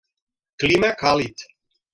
Clima càlid.